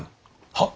はっ！